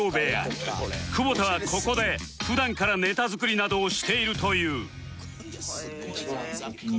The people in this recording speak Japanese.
久保田はここで普段からネタ作りなどをしているという